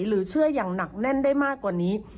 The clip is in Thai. หรือเชื่ออย่างหนักแน่นได้มากกว่านี้